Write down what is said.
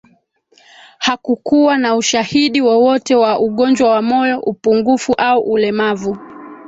hakukuwa na ushahidi wowote wa ugonjwa wa moyo upungufu au ulemavu